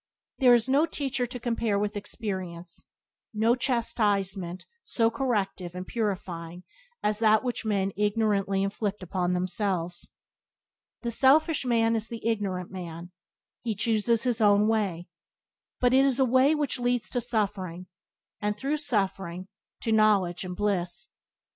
There is no teacher to compare with experience, no chastisement so corrective and purifying as that which men ignorantly inflict upon themselves. The selfish man is the ignorant man; he Byways to Blessedness by James Allen 43 chooses his own way, but it is a way which leads to suffering, and through suffering to knowledge and bliss.